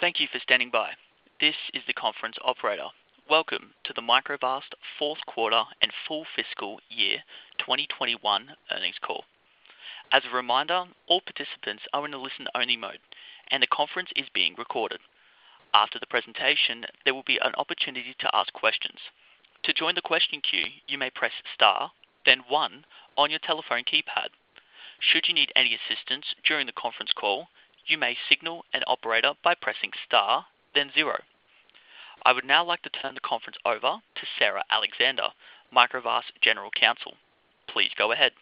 Thank you for standing by. This is the conference operator. Welcome to the Microvast fourth quarter and full fiscal year 2021 earnings call. As a reminder, all participants are in a listen-only mode, and the conference is being recorded. After the presentation, there will be an opportunity to ask questions. To join the question queue, you may press star then one on your telephone keypad. Should you need any assistance during the conference call, you may signal an operator by pressing star then zero. I would now like to turn the conference over to Sarah Alexander, Microvast General Counsel. Please go ahead.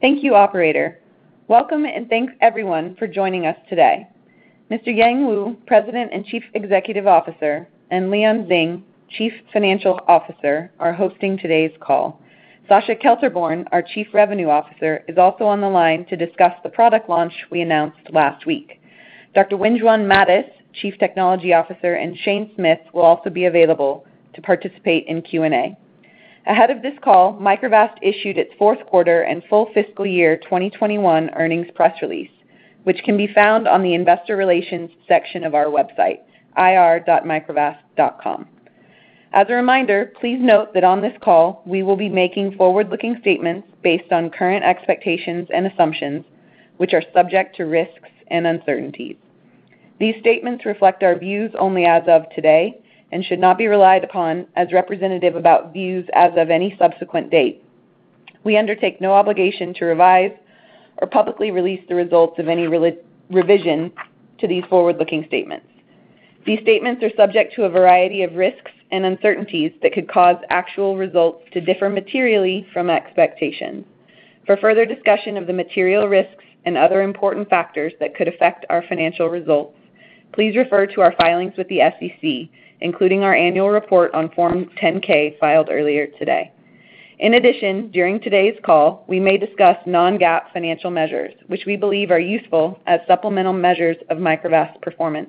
Thank you, operator. Welcome and thanks everyone for joining us today. Mr. Yang Wu, President and Chief Executive Officer, and Leon Zheng, Chief Financial Officer, are hosting today's call. Sascha Kelterborn, our Chief Revenue Officer, is also on the line to discuss the product launch we announced last week. Dr. Wenjuan Mattis, Chief Technology Officer, and Shane Smith will also be available to participate in Q&A. Ahead of this call, Microvast issued its fourth quarter and full fiscal year 2021 earnings press release, which can be found on the investor relations section of our website, ir.microvast.com. As a reminder, please note that on this call, we will be making forward-looking statements based on current expectations and assumptions, which are subject to risks and uncertainties. These statements reflect our views only as of today and should not be relied upon as representative about views as of any subsequent date. We undertake no obligation to revise or publicly release the results of any revision to these forward-looking statements. These statements are subject to a variety of risks and uncertainties that could cause actual results to differ materially from expectations. For further discussion of the material risks and other important factors that could affect our financial results, please refer to our filings with the SEC, including our annual report on Form 10-K filed earlier today. In addition, during today's call, we may discuss non-GAAP financial measures, which we believe are useful as supplemental measures of Microvast performance.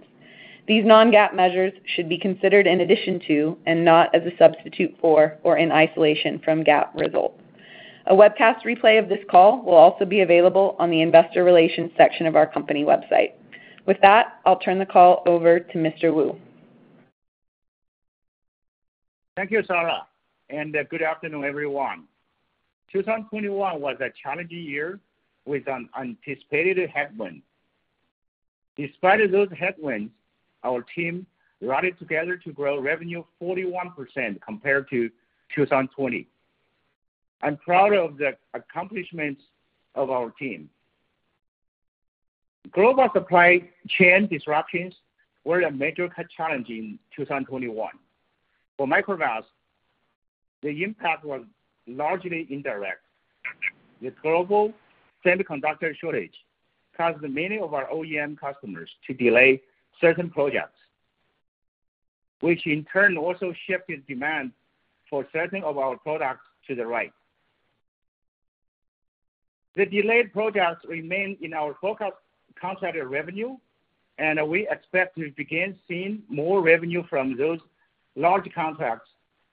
These non-GAAP measures should be considered in addition to and not as a substitute for or in isolation from GAAP results. A webcast replay of this call will also be available on the investor relations section of our company website. With that, I'll turn the call over to Mr. Wu. Thank you, Sarah, and good afternoon, everyone. 2021 was a challenging year with an anticipated headwind. Despite those headwinds, our team rallied together to grow revenue 41% compared to 2020. I'm proud of the accomplishments of our team. Global supply chain disruptions were a major challenge in 2021. For Microvast, the impact was largely indirect. The global semiconductor shortage caused many of our OEM customers to delay certain projects, which in turn also shifted demand for certain of our products to the right. The delayed projects remain in our book of contracted revenue, and we expect to begin seeing more revenue from those large contracts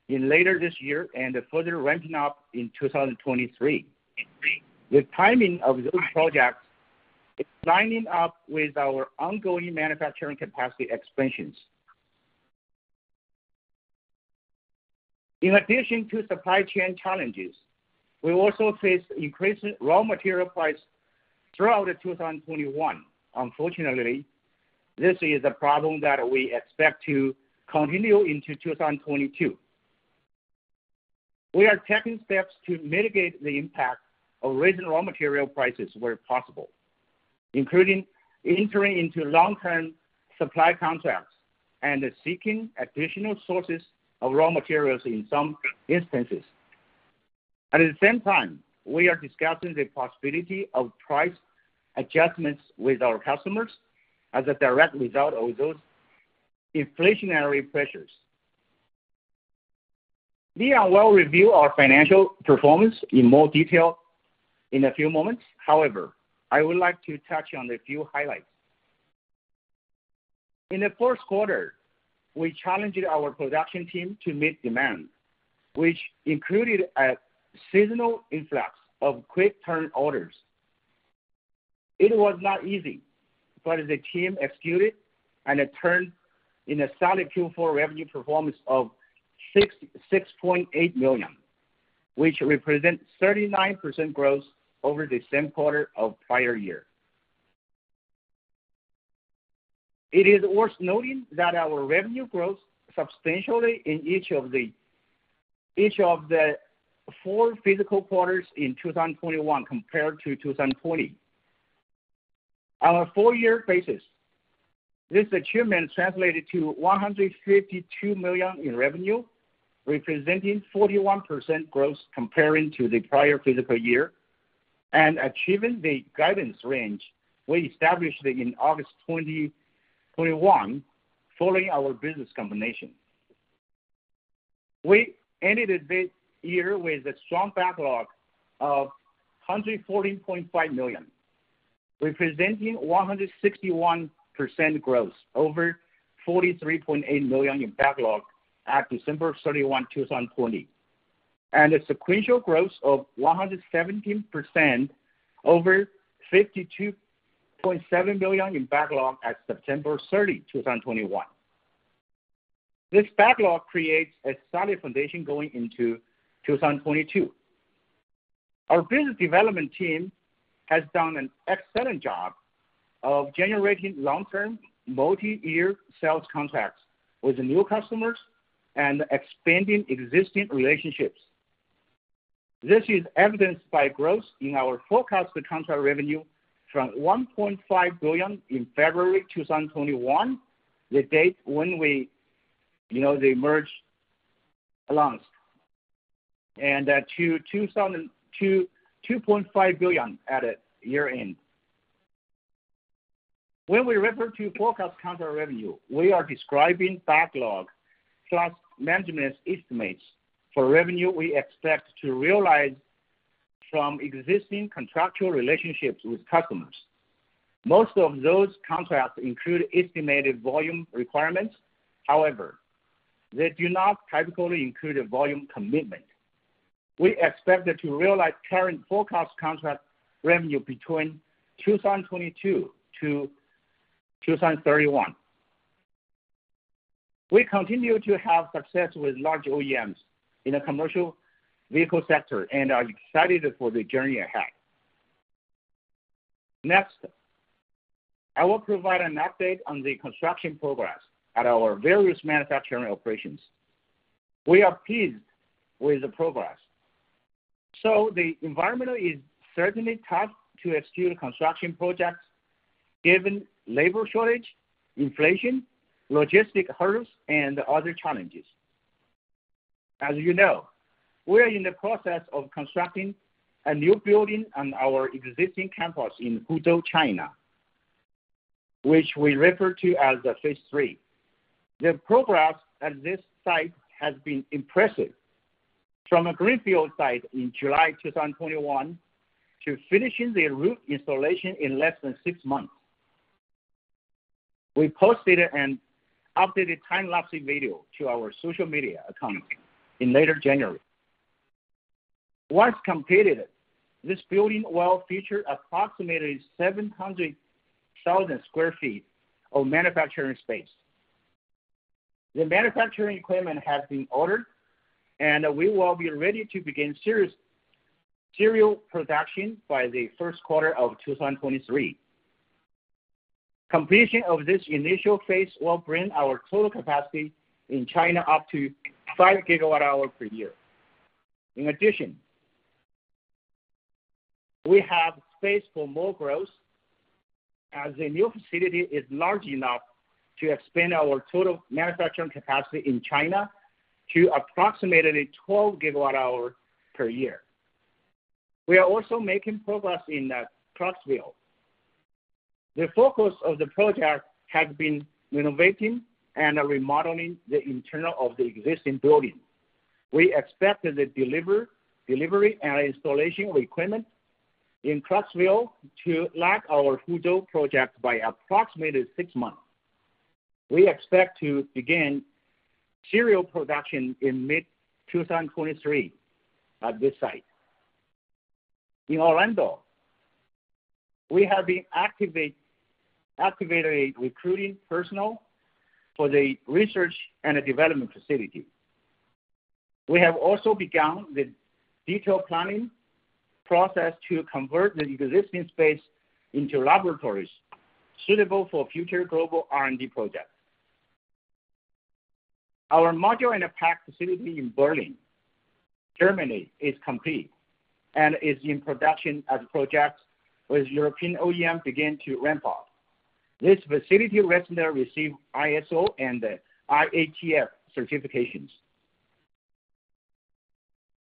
later this year and further ramping up in 2023. The timing of those projects is lining up with our ongoing manufacturing capacity expansions. In addition to supply chain challenges, we also faced increasing raw material prices throughout 2021. Unfortunately, this is a problem that we expect to continue into 2022. We are taking steps to mitigate the impact of rising raw material prices where possible, including entering into long-term supply contracts and seeking additional sources of raw materials in some instances. At the same time, we are discussing the possibility of price adjustments with our customers as a direct result of those inflationary pressures. Leon will review our financial performance in more detail in a few moments. However, I would like to touch on a few highlights. In the first quarter, we challenged our production team to meet demand, which included a seasonal influx of quick turn orders. It was not easy, but the team executed, and it turned in a solid Q4 revenue performance of $66.8 million, which represents 39% growth over the same quarter of prior year. It is worth noting that our revenue growth substantially in each of the four fiscal quarters in 2021 compared to 2020. On a full-year basis, this achievement translated to $152 million in revenue, representing 41% growth comparing to the prior fiscal year and achieving the guidance range we established in August 2021 following our business combination. We ended the year with a strong backlog of $114.5 million, representing 161% growth over $43.8 million in backlog at December 31, 2020. A sequential growth of 117% over $52.7 million in backlog at September 30, 2021. This backlog creates a solid foundation going into 2022. Our business development team has done an excellent job of generating long-term, multi-year sales contracts with new customers and expanding existing relationships. This is evidenced by growth in our forecasted contract revenue from $1.5 billion in February 2021, the date when we, you know, the merger was announced, and to $2 billion-$2.5 billion at year-end. When we refer to forecast contract revenue, we are describing backlog plus management's estimates for revenue we expect to realize from existing contractual relationships with customers. Most of those contracts include estimated volume requirements. However, they do not typically include a volume commitment. We expect to realize current forecast contract revenue between 2022-2031. We continue to have success with large OEMs in the commercial vehicle sector and are excited for the journey ahead. Next, I will provide an update on the construction progress at our various manufacturing operations. We are pleased with the progress. The environment is certainly tough to execute construction projects given labor shortage, inflation, logistic hurdles, and other challenges. As you know, we are in the process of constructing a new building on our existing campus in Huzhou, China, which we refer to as the phase three. The progress at this site has been impressive. From a greenfield site in July 2021 to finishing the roof installation in less than six months. We posted an updated time-lapse video to our social media account in late January. Once completed, this building will feature approximately 700,000 sq ft of manufacturing space. The manufacturing equipment has been ordered, and we will be ready to begin serial production by the first quarter of 2023. Completion of this initial phase will bring our total capacity in China up to 5 GWh per year. In addition, we have space for more growth as the new facility is large enough to expand our total manufacturing capacity in China to approximately 12 GWh per year. We are also making progress in Clarksville. The focus of the project has been renovating and remodeling the interior of the existing building. We expect the delivery and installation of equipment in Clarksville to lag our Huzhou project by approximately six months. We expect to begin serial production in mid-2023 at this site. In Orlando, we have been actively recruiting personnel for the research and development facility. We have also begun the detailed planning process to convert the existing space into laboratories suitable for future global R&D projects. Our module and pack facility in Berlin, Germany is complete and is in production as projects with European OEM begin to ramp up. This facility recently received ISO and IATF certifications.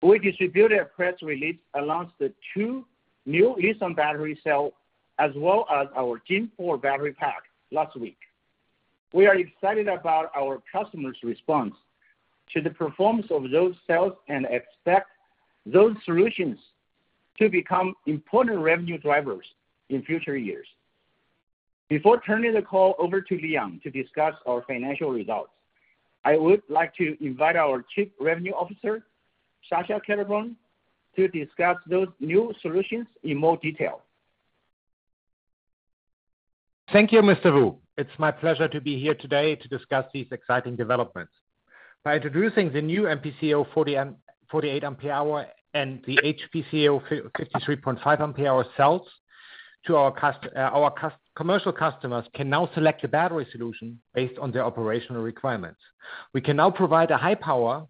We distributed a press release announcing the two new Lithium-ion battery cells, as well as our Gen 4 battery pack last week. We are excited about our customers' response to the performance of those cells and expect those solutions to become important revenue drivers in future years. Before turning the call over to Leon Zheng to discuss our financial results, I would like to invite our Chief Revenue Officer, Sascha Kelterborn, to discuss those new solutions in more detail. Thank you, Mr. Wu. It's my pleasure to be here today to discuss these exciting developments. By introducing the new MpCO-48Ah and the HpCO-53.5Ah cells to our commercial customers can now select a battery solution based on their operational requirements. We can now provide a high power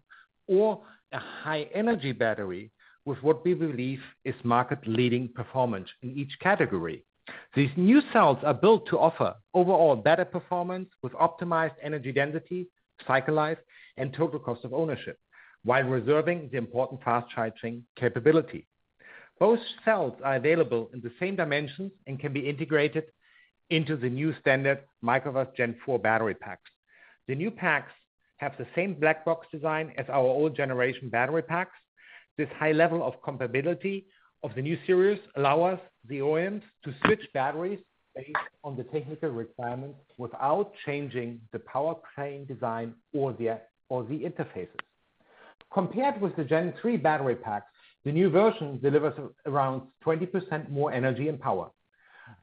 or a high energy battery with what we believe is market-leading performance in each category. These new cells are built to offer overall better performance with optimized energy density, cycle life, and total cost of ownership, while reserving the important fast charging capability. Both cells are available in the same dimensions and can be integrated into the new standard Microvast Gen 4 battery packs. The new packs have the same black box design as our old generation battery packs. This high level of compatibility of the new series allow us, the OEMs, to switch batteries based on the technical requirements without changing the powertrain design or the interfaces. Compared with the Gen 3 battery pack, the new version delivers around 20% more energy and power.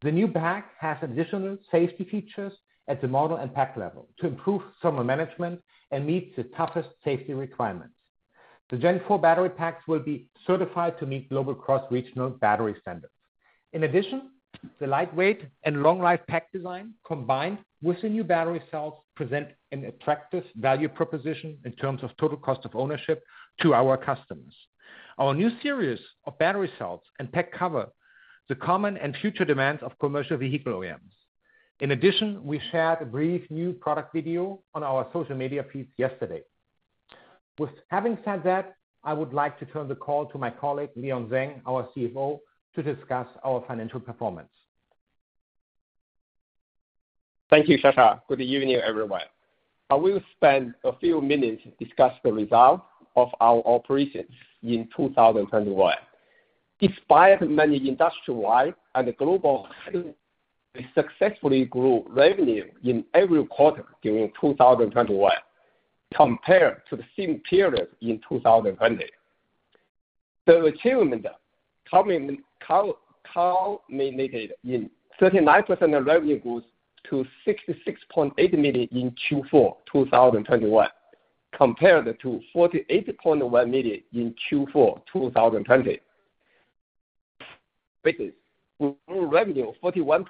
The new pack has additional safety features at the model and pack level to improve thermal management and meet the toughest safety requirements. The Gen 4 battery packs will be certified to meet global cross-regional battery standards. In addition, the lightweight and long-life pack design, combined with the new battery cells, present an attractive value proposition in terms of total cost of ownership to our customers. Our new series of battery cells and pack cover the common and future demands of commercial vehicle OEMs. In addition, we shared a brief new product video on our social media feed yesterday. With having said that, I would like to turn the call to my colleague, Leon Zheng, our CFO, to discuss our financial performance. Thank you, Sascha. Good evening, everyone. I will spend a few minutes to discuss the results of our operations in 2021. Despite many industry-wide and global challenges, we successfully grew revenue in every quarter during 2021 compared to the same period in 2020. The achievement culminated in 39% revenue growth to $66.8 million in Q4 2021, compared to $48.1 million in Q4 2020. Revenue up 41%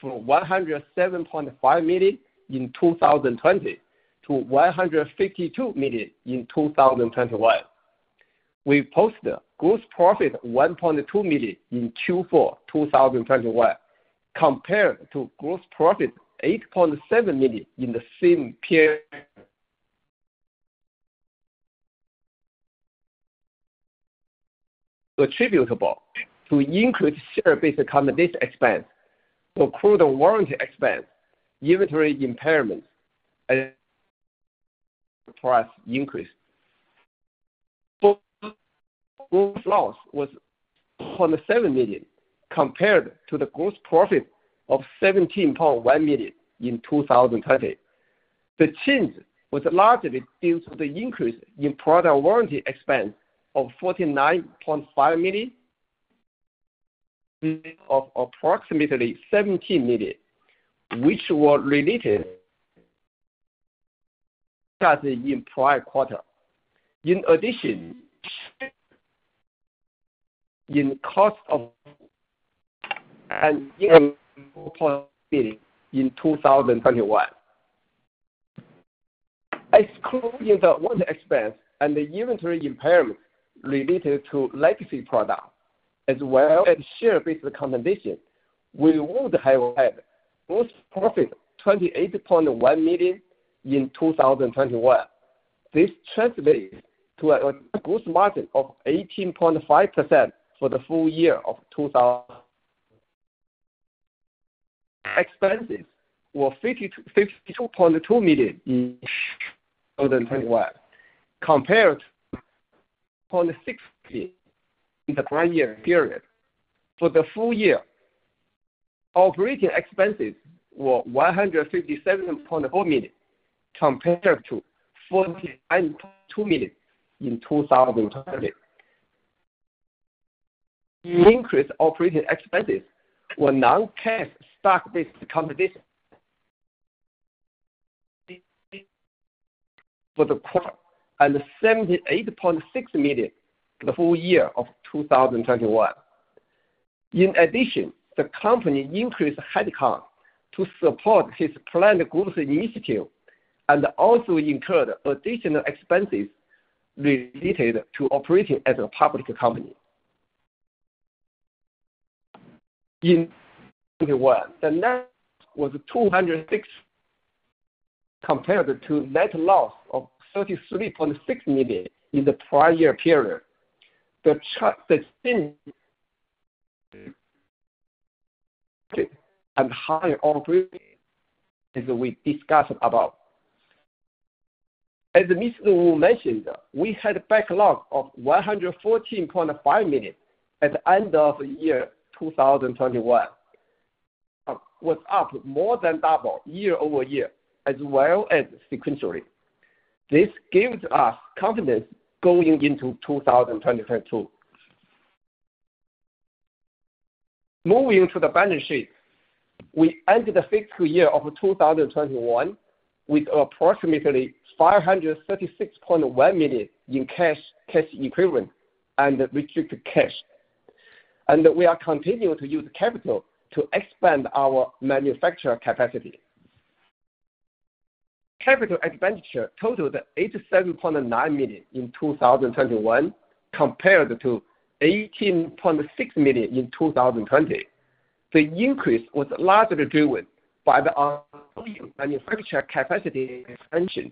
from $107.5 million in 2020 to $152 million in 2021. We posted gross profit of $1.2 million in Q4 2021 compared to gross profit of $8.7 million in the same period. attributable to increased share-based compensation expense, including the warranty expense, inventory impairment, and price increase. Gross loss was $0.7 million compared to the gross profit of $17.1 million in 2020. The change was largely due to the increase in product warranty expense of $49.5 million, of which approximately $17 million were related to the prior quarter. In addition, inventory impairment in 2021. Excluding the warranty expense and the inventory impairment related to legacy product as well as share-based compensation, we would have had gross profit $28.1 million in 2021. This translates to a gross margin of 18.5% for the full year of 2021. Expenses were $52.2 million in 2021 compared to $20.6 million in the prior year period. For the full year, operating expenses were $157.4 million, compared to $49.2 million in 2020. Increased operating expenses were non-cash stock-based compensation for the quarter and $78.6 million for the full year of 2021. In addition, the company increased headcount to support its planned growth initiative and also incurred additional expenses related to operating as a public company. In 2021, the net loss was $206 million compared to net loss of $33.6 million in the prior year period. As Mr. Wu mentioned, we had a backlog of $114.5 million at the end of year 2021, which was up more than double year-over-year as well as sequentially. This gives us confidence going into 2022. Moving to the balance sheet. We ended the fiscal year of 2021 with approximately $536.1 million in cash equivalents, and restricted cash. We are continuing to use capital to expand our manufacturing capacity. Capital expenditure totaled $87.9 million in 2021, compared to $18.6 million in 2020. The increase was largely driven by the manufacturing capacity expansion.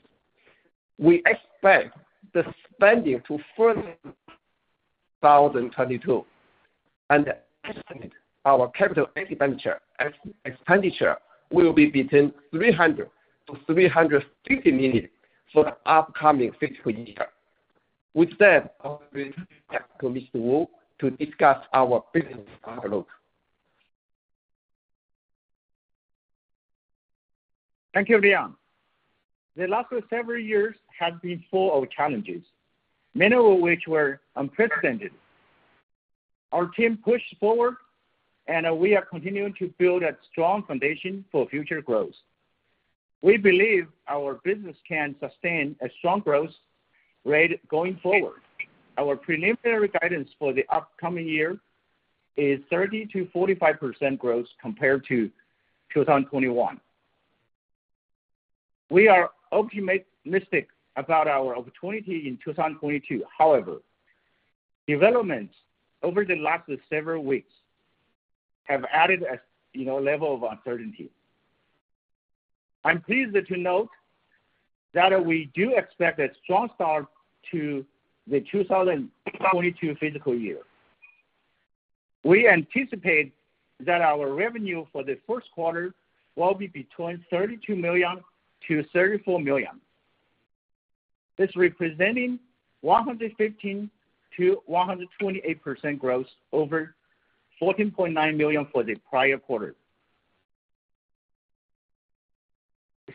We expect the spending to further increase in 2022, and estimate our capital expenditure will be between $300 million-$350 million for the upcoming fiscal year. With that, I'll turn it back to Mr. Wu to discuss our business outlook. Thank you, Leon. The last several years have been full of challenges, many of which were unprecedented. Our team pushed forward, and we are continuing to build a strong foundation for future growth. We believe our business can sustain a strong growth rate going forward. Our preliminary guidance for the upcoming year is 30%-45% growth compared to 2021. We are optimistic about our opportunity in 2022. However, developments over the last several weeks have added a, you know, level of uncertainty. I'm pleased to note that we do expect a strong start to the 2022 fiscal year. We anticipate that our revenue for the first quarter will be between $32 million-$34 million. It's representing 115%-128% growth over $14.9 million for the prior quarter.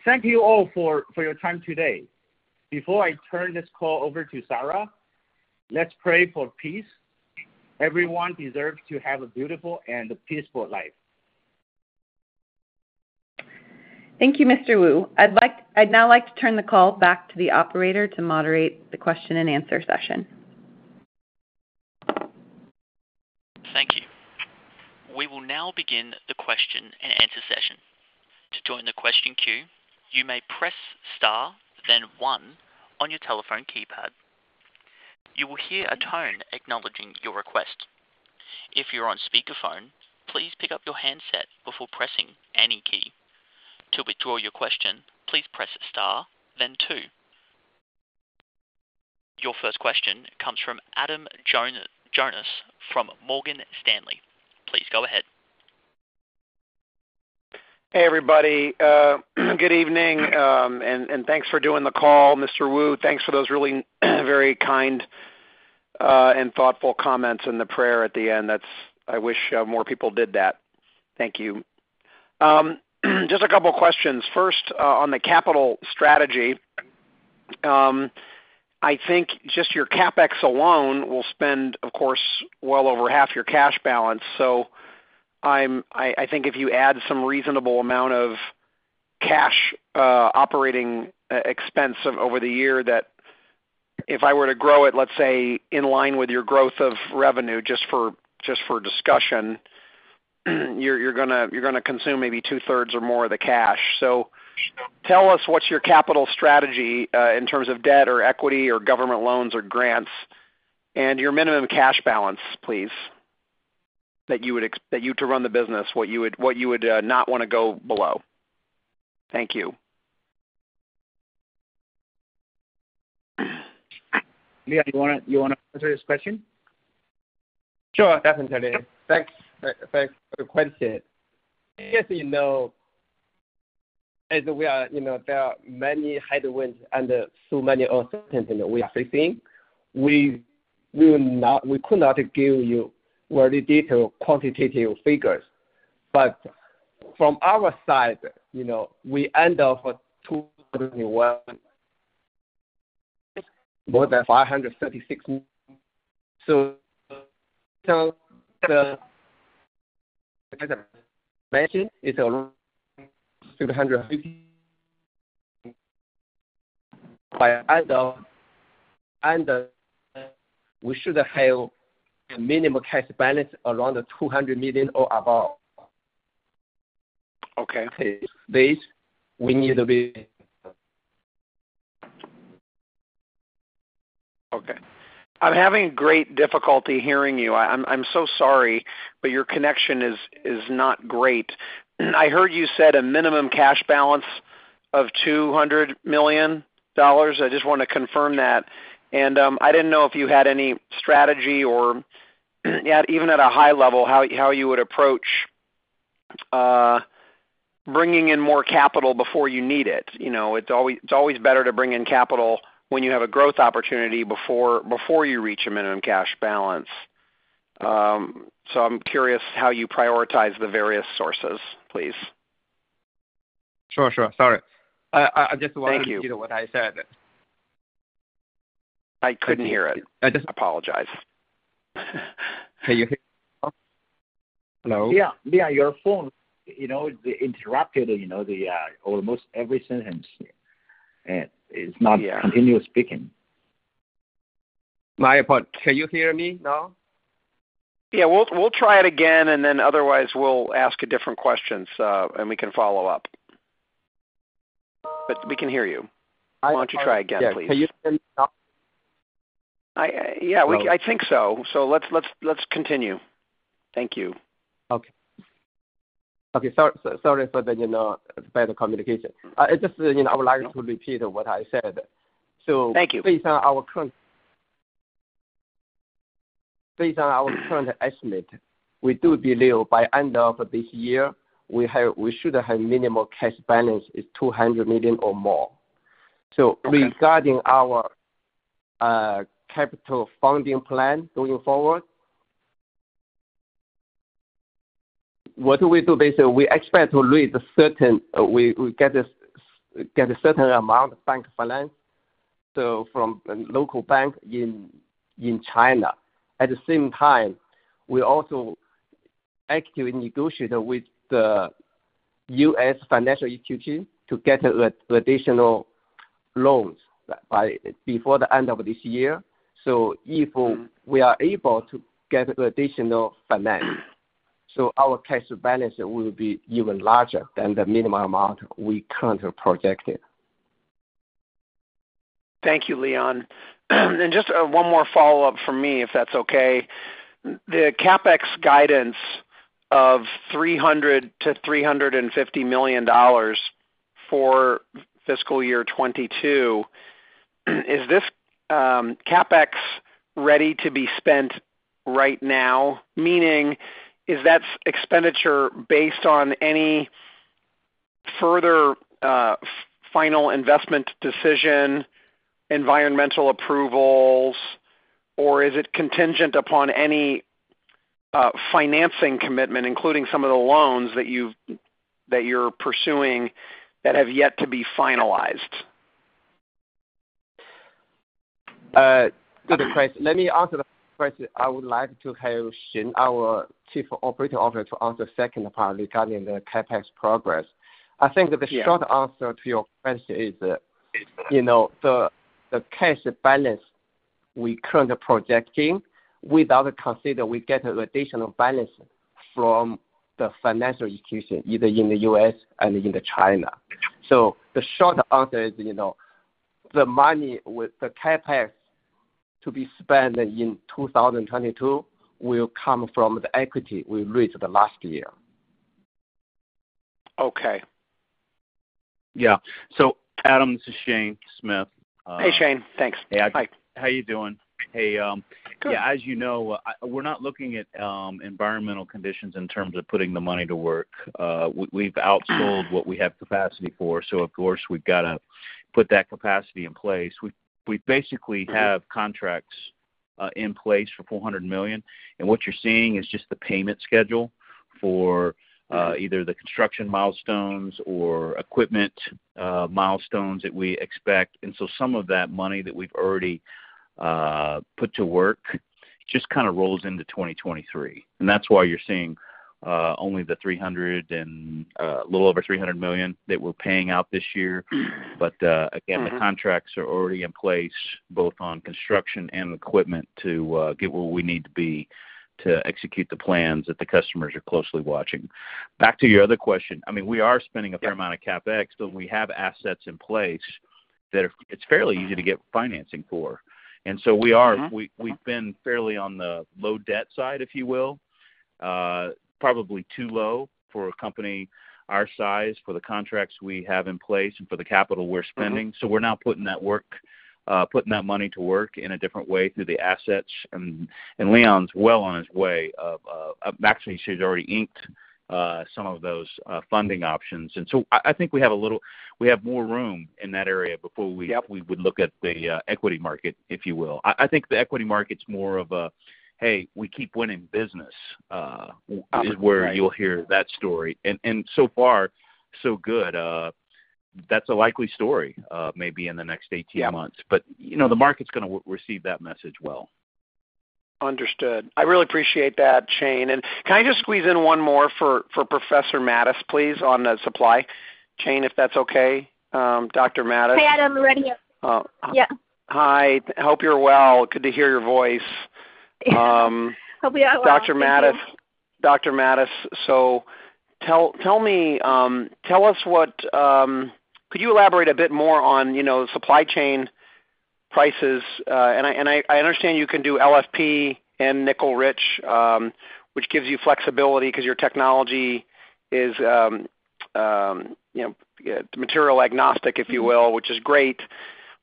Thank you all for your time today. Before I turn this call over to Sarah, let's pray for peace. Everyone deserves to have a beautiful and a peaceful life. Thank you, Mr. Wu. I'd now like to turn the call back to the operator to moderate the question-and-answer session. Thank you. We will now begin the question-and-answer session. To join the question queue, you may press Star, then one on your telephone keypad. You will hear a tone acknowledging your request. If you're on speakerphone, please pick up your handset before pressing any key. To withdraw your question, please press Star then two. Your first question comes from Adam Jonas from Morgan Stanley. Please go ahead. Hey, everybody, good evening, and thanks for doing the call. Mr. Wu, thanks for those really very kind and thoughtful comments and the prayer at the end. That's. I wish more people did that. Thank you. Just a couple questions. First, on the capital strategy, I think just your CapEx alone will spend, of course, well over half your cash balance. I think if you add some reasonable amount of cash, operating expense over the year, that if I were to grow it, let's say, in line with your growth of revenue, just for discussion, you're gonna consume maybe two-thirds or more of the cash. Tell us what's your capital strategy in terms of debt or equity or government loans or grants, and your minimum cash balance, please, that you would expect to run the business, what you would not wanna go below. Thank you. Leon, you wanna answer this question? Sure, definitely. Thanks. Thanks for your question. As you know, there are many headwinds and so many uncertainties that we are facing. We could not give you very detailed quantitative figures. From our side, you know, we end up for 2021 more than $536 million. So the best is around $650 million. By end of, we should have a minimum cash balance around $200 million or above. Okay. Based we need to be. Okay. I'm having great difficulty hearing you. I'm so sorry, but your connection is not great. I heard you said a minimum cash balance of $200 million. I just wanna confirm that. I didn't know if you had any strategy or at even at a high level how you would approach bringing in more capital before you need it. You know, it's always better to bring in capital when you have a growth opportunity before you reach a minimum cash balance. I'm curious how you prioritize the various sources, please. Sure. Sorry. I just wanted- Thank you. to repeat what I said. I couldn't hear it. I just- Apologize. Can you hear? Hello? Leon, your phone, is interrupted almost every sentence. It's not continuous speaking. Can you hear me now? Yeah. We'll try it again, and then otherwise we'll ask a different question, so and we can follow up. We can hear you. Why don't you try again, please? Can you still hear me now? Yeah, I think so. Let's continue. Thank you. Okay. So sorry for the bad communication. It's just, you know, I would like to repeat what I said. Thank you. Based on our current estimate, we do believe by end of this year, we should have minimum cash balance is $200 million or more. Okay. Regarding our capital funding plan going forward, what do we do? Basically, we get a certain amount of bank finance, so from local bank in China. At the same time, we also actively negotiate with the U.S. financial institutions to get additional loans before the end of this year. If we are able to get additional finance, so our cash balance will be even larger than the minimum amount we currently projected. Thank you, Leon. Just one more follow-up from me, if that's okay. The CapEx guidance of $300 million-$350 million for fiscal year 2022, is this CapEx ready to be spent right now? Meaning is that expenditure based on any further final investment decision, environmental approvals, or is it contingent upon any financing commitment, including some of the loans that you're pursuing that have yet to be finalized? Good question. Let me answer the question. I would like to have Shane Smith, our Chief Operating Officer, to answer the second part regarding the CapEx progress. I think that the short answer to your question is, you know, the cash balance we currently projecting without considering we get additional balance from the financial institution, either in the U.S. and in China. The short answer is, the money with the CapEx to be spent in 2022 will come from the equity we raised the last year. Okay. Yeah. Adam, this is Shane Smith. Hey, Shane. Thanks. Hey. Hi. How are you doing? Hey, Good. Yeah, as you know, we're not looking at environmental conditions in terms of putting the money to work. We've outsold what we have capacity for. Of course, we've got to put that capacity in place. We basically have contracts in place for $400 million. And what you're seeing is just the payment schedule for either the construction milestones or equipment milestones that we expect. So some of that money that we've already put to work just kind of rolls into 2023. And that's why you're seeing only the $300 million and a little over $300 million that we're paying out this year. But again, the contracts are already in place, both on construction and equipment to get where we need to be to execute the plans that the customers are closely watching. Back to your other question. I mean, we are spending a fair amount of CapEx, but we have assets in place that it's fairly easy to get financing for. We've been fairly on the low debt side, if you will. Probably too low for a company our size, for the contracts we have in place, and for the capital we're spending. We're now putting that money to work in a different way through the assets. Leon's well on his way. Actually, he's already inked some of those funding options. I think we have more room in that area before we would look at the equity market, if you will. I think the equity market is more of a, "Hey, we keep winning business," is where you'll hear that story. So far, so good. That's a likely story, maybe in the next 18 months. The market's gonna receive that message well. Understood. I really appreciate that, Shane. Can I just squeeze in one more for Professor Mattis, please, on the supply chain, if that's okay? Dr. Mattis. Hey, Adam. We're ready. Yeah. Hi. Hope you're well. Good to hear your voice. Yeah. I hope you are well. Thank you. Dr. Mattis, could you elaborate a bit more on supply chain prices? I understand you can do LFP and nickel rich, which gives you flexibility 'cause your technology is, you know, material agnostic, if you will, which is great.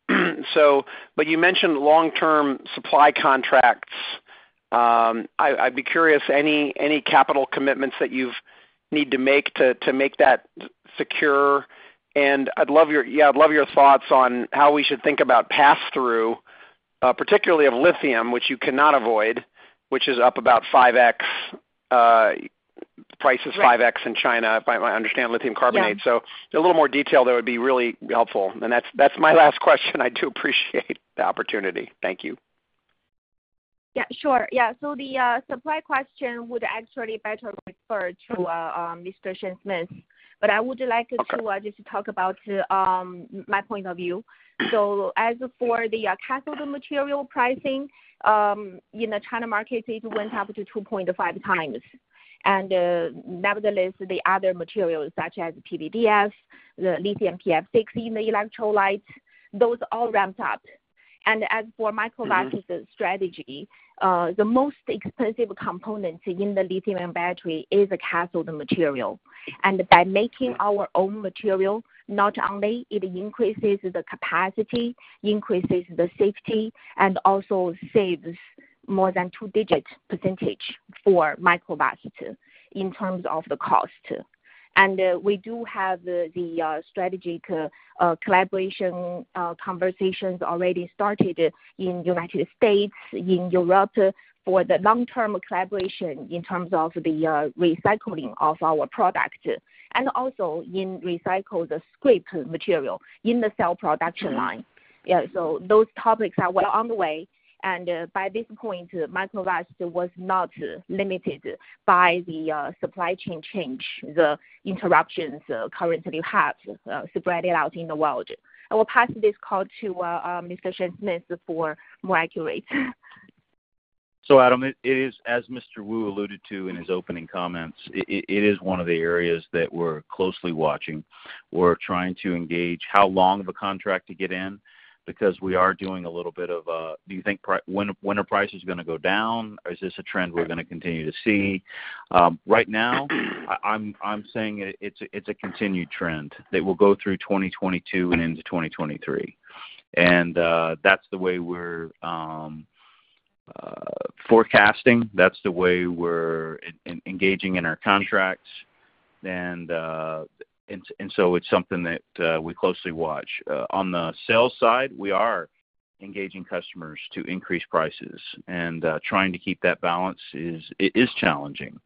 But you mentioned long-term supply contracts. I'd be curious any capital commitments that you need to make to make that secure? I'd love your thoughts on how we should think about pass-through, particularly of lithium, which you cannot avoid, which is up about 5x, price is 5x in China, if I understand lithium carbonate. Yeah. A little more detail there would be really helpful. That's my last question. I do appreciate the opportunity. Thank you. Yeah, sure. Yeah. The supply question would actually better refer to Mr. Shane Smith. I would like to just talk about my point of view. As for the cathode material pricing, in the China market, it went up to 2.5x. Nevertheless, the other materials, such as PVDF, the lithium TFSI, the electrolytes, those all ramped up. As for Microvast's strategy, the most expensive component in the lithium battery is a cathode material. By making our own material, not only it increases the capacity, increases the safety, and also saves more than two-digit percentage for Microvast in terms of the cost. We do have the strategy collaboration conversations already started in United States, in Europe for the long-term collaboration in terms of the recycling of our product. Also in recycled scrap material in the cell production line. Yeah, those topics are well on the way. By this point, Microvast was not limited by the supply chain change, the interruptions currently have spread out in the world. I will pass this call to Mr. Shane Smith for more accuracy. Adam, it is as Mr. Wu alluded to in his opening comments. It is one of the areas that we're closely watching. We're trying to engage how long of a contract to get in because we are doing a little bit of. Do you think when are prices gonna go down? Is this a trend we're gonna continue to see? Right now, I'm saying it's a continued trend that will go through 2022 and into 2023. So it's something that we closely watch. On the sales side, we are engaging customers to increase prices. Trying to keep that balance is challenging.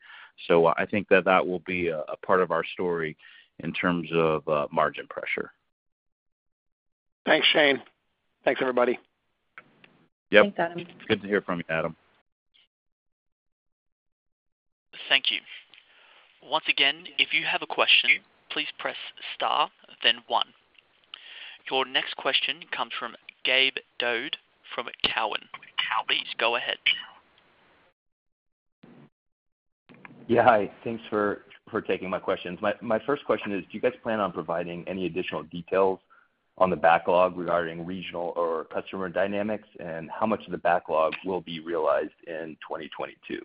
I think that will be a part of our story in terms of margin pressure. Thanks, Shane. Thanks, everybody. Yep. Thanks, Adam. Good to hear from you, Adam. Thank you. Once again, if you have a question, please press star then one. Your next question comes from Gabe Daoud from Cowen. Please go ahead. Yeah, hi. Thanks for taking my questions. My first question is, do you guys plan on providing any additional details on the backlog regarding regional or customer dynamics, and how much of the backlog will be realized in 2022?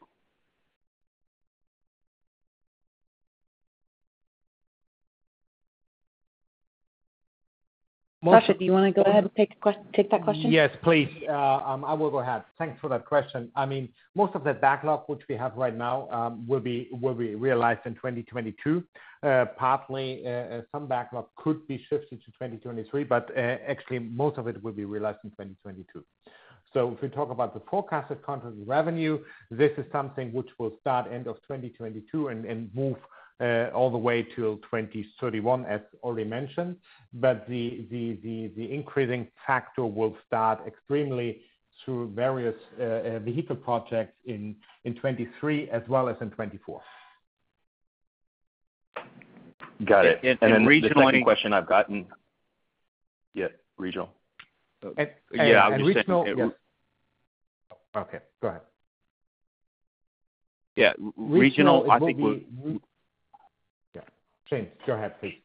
Sascha, do you wanna go ahead and take that question? Yes, please. I will go ahead. Thanks for that question. I mean, most of the backlog which we have right now will be realized in 2022. Partly, some backlog could be shifted to 2023, but actually, most of it will be realized in 2022. If we talk about the forecasted contracted revenue, this is something which will start end of 2022 and move all the way till 2031, as already mentioned. The increasing factor will start exponentially through various vehicle projects in 2023 as well as in 2024. Got it. The second question I've gotten- Regional- Yeah, regional. And, and regional- Yeah, I was just saying it. Okay, go ahead. Yeah. Regional, I think Regional, it will be. Yeah. Shane, go ahead, please.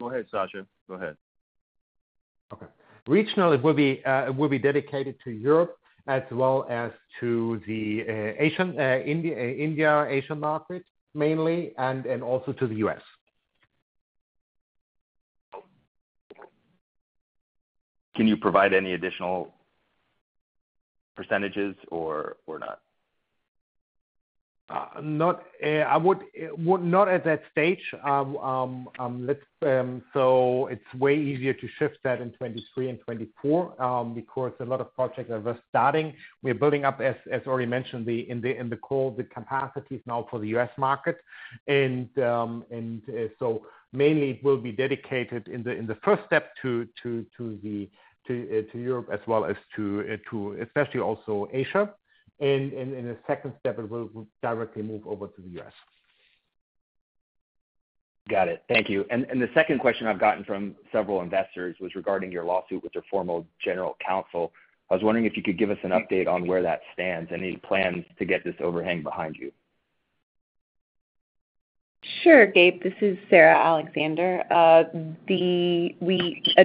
Go ahead, Sascha. Go ahead. Okay. Regional, it will be dedicated to Europe as well as to the Asian India Asian market, mainly, and also to the U.S. Can you provide any additional percentages or not? I would not at that stage. It's way easier to shift that in 2023 and 2024, because a lot of projects are just starting. We're building up, as already mentioned, the capacities in the core now for the U.S. market. Mainly it will be dedicated in the first step to Europe as well as to especially also Asia. In the second step, it will directly move over to the U.S. Got it. Thank you. The second question I've gotten from several investors was regarding your lawsuit with your former general counsel. I was wondering if you could give us an update on where that stands. Any plans to get this overhang behind you? Sure, Gabe. This is Sarah Alexander. A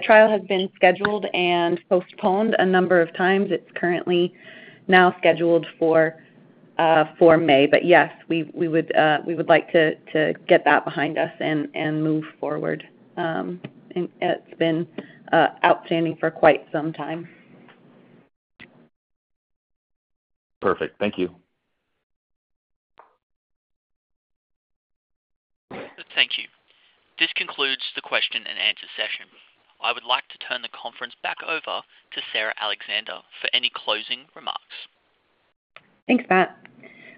trial has been scheduled and postponed a number of times. It's currently now scheduled for May. Yes, we would like to get that behind us and move forward. It's been outstanding for quite some time. Perfect. Thank you. Thank you. This concludes the question and answer session. I would like to turn the conference back over to Sarah Alexander for any closing remarks. Thanks, Matt.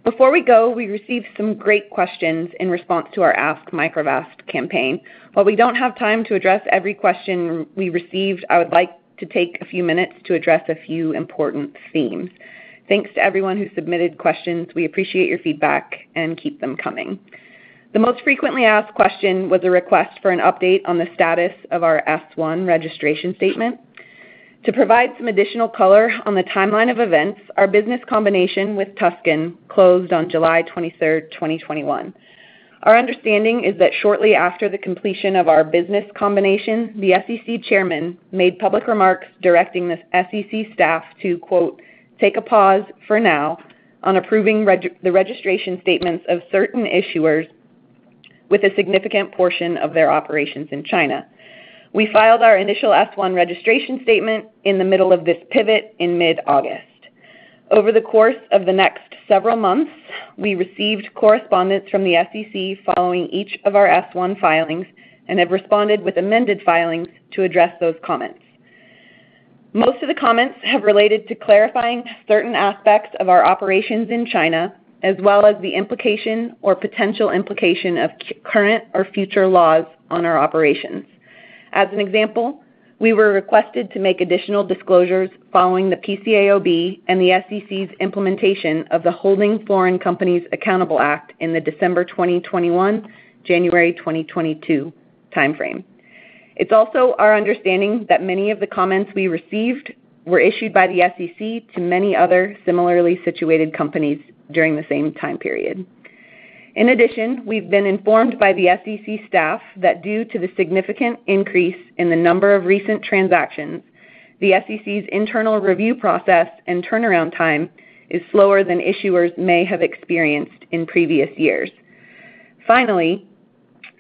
Before we go, we received some great questions in response to our Ask Microvast campaign. While we don't have time to address every question we received, I would like to take a few minutes to address a few important themes. Thanks to everyone who submitted questions. We appreciate your feedback, and keep them coming. The most frequently asked question was a request for an update on the status of our S-1 registration statement. To provide some additional color on the timeline of events, our business combination with Tuscan closed on July 23rd, 2021. Our understanding is that shortly after the completion of our business combination, the SEC chairman made public remarks directing the SEC staff to quote, "Take a pause for now on approving the registration statements of certain issuers with a significant portion of their operations in China." We filed our initial S-1 registration statement in the middle of this pivot in mid-August. Over the course of the next several months, we received correspondence from the SEC following each of our S-1 filings and have responded with amended filings to address those comments. Most of the comments have related to clarifying certain aspects of our operations in China, as well as the implication or potential implication of current or future laws on our operations. As an example, we were requested to make additional disclosures following the PCAOB and the SEC's implementation of the Holding Foreign Companies Accountable Act in the December 2021, January 2022 timeframe. It's also our understanding that many of the comments we received were issued by the SEC to many other similarly situated companies during the same time period. In addition, we've been informed by the SEC staff that due to the significant increase in the number of recent transactions, the SEC's internal review process and turnaround time is slower than issuers may have experienced in previous years. Finally,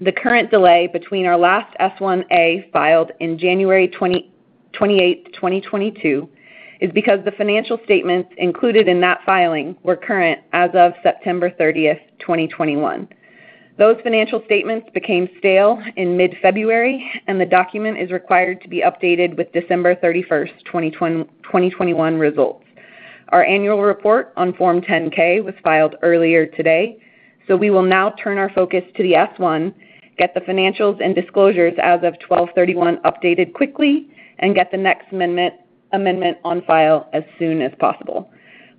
the current delay between our last S-1/A filed in January 28th, 2022 is because the financial statements included in that filing were current as of September 30th, 2021. Those financial statements became stale in mid-February, and the document is required to be updated with December 31st, 2021 results. Our annual report on Form 10-K was filed earlier today, so we will now turn our focus to the S-1, get the financials and disclosures as of 12/31 updated quickly, and get the next amendment on file as soon as possible.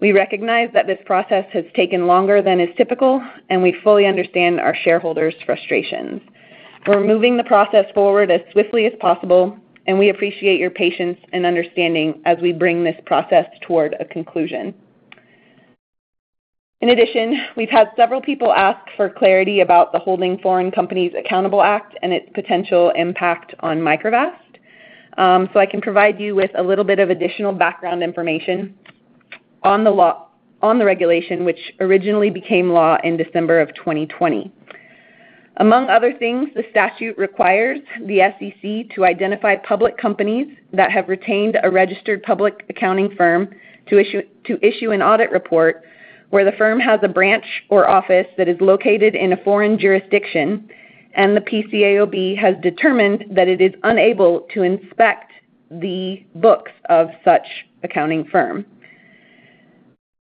We recognize that this process has taken longer than is typical, and we fully understand our shareholders' frustrations. We're moving the process forward as swiftly as possible, and we appreciate your patience and understanding as we bring this process toward a conclusion. In addition, we've had several people ask for clarity about the Holding Foreign Companies Accountable Act and its potential impact on Microvast. I can provide you with a little bit of additional background information on the regulation which originally became law in December 2020. Among other things, the statute requires the SEC to identify public companies that have retained a registered public accounting firm to issue an audit report where the firm has a branch or office that is located in a foreign jurisdiction and the PCAOB has determined that it is unable to inspect the books of such accounting firm.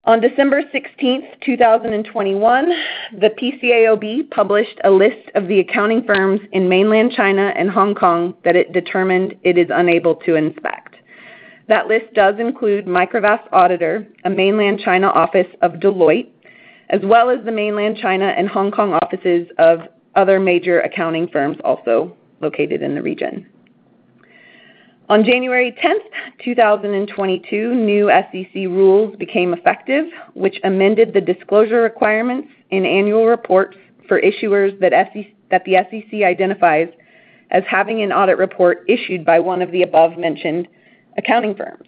On December 16th, 2021, the PCAOB published a list of the accounting firms in Mainland China and Hong Kong that it determined it is unable to inspect. That list does include Microvast's auditor, a Mainland China office of Deloitte, as well as the Mainland China and Hong Kong offices of other major accounting firms also located in the region. On January 10th, 2022, new SEC rules became effective, which amended the disclosure requirements in annual reports for issuers that the SEC identifies as having an audit report issued by one of the above-mentioned accounting firms.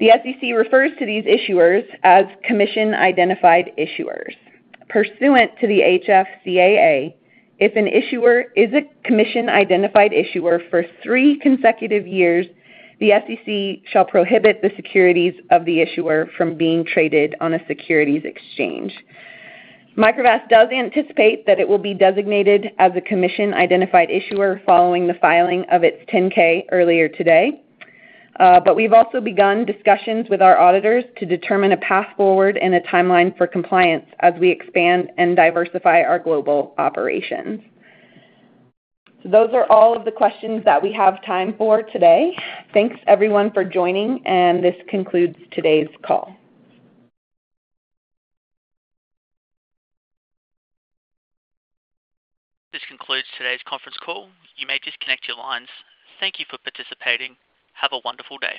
The SEC refers to these issuers as Commission-identified issuers. Pursuant to the HFCAA, if an issuer is a Commission-identified issuer for three consecutive years, the SEC shall prohibit the securities of the issuer from being traded on a securities exchange. Microvast does anticipate that it will be designated as a Commission-identified issuer following the filing of its 10-K earlier today. But we've also begun discussions with our auditors to determine a path forward and a timeline for compliance as we expand and diversify our global operations. Those are all of the questions that we have time for today. Thanks everyone for joining, and this concludes today's call. This concludes today's conference call. You may disconnect your lines. Thank you for participating. Have a wonderful day.